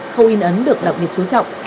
khâu in ấn được đặc biệt chú trọng